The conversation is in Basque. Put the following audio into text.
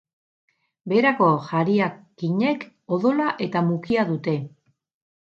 Beherako jariakinek odola eta mukia dute.